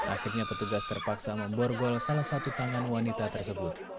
akhirnya petugas terpaksa memborgol salah satu tangan wanita tersebut